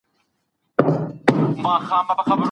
مراقبه ذهن د مثبتو فکرونو لپاره چمتو کوي.